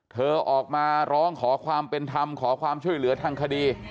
เธอออกมาร้องขอความเป็นธรรมขอความช่วยเหลือทางคดี